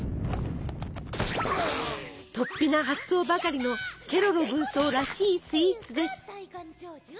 とっぴな発想ばかりのケロロ軍曹らしいスイーツです。